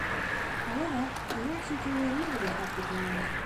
However, her acting career never got off the ground.